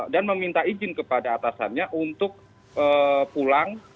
dan meminta izin kepada atasannya untuk pulang